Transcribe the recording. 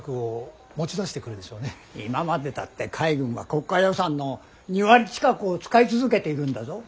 今までだって海軍は国家予算の２割近くを使い続けているんだぞ。